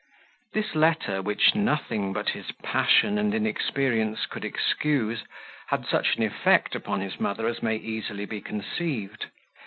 This letter, which nothing, but his passion and inexperience could excuse, had such an effect upon his mother as may be easily conceived.